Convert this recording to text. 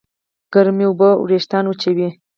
ګرمې اوبه وېښتيان وچوي.